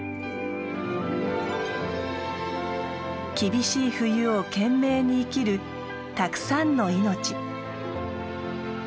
厳しい冬を懸命に生きるたくさんの命。